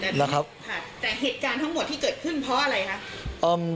แต่แต่เหตุการณ์ทั้งหมดที่เกิดเพิ่มเพราะอะไรครับ